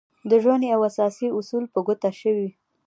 د ژوند يو اساسي اصول په ګوته شوی.